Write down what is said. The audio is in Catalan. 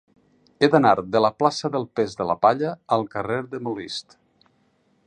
He d'anar de la plaça del Pes de la Palla al carrer de Molist.